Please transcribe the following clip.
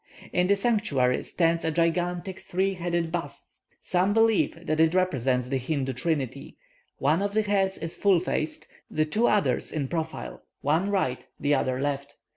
In the sanctuary stands a gigantic three headed bust. Some believe that it represents the Hindoo Trinity; one of the heads is full faced, the two others in profile, one right, the other left.